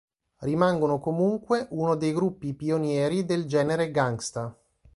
Rimangono comunque uno dei gruppi pionieri del genere gangsta.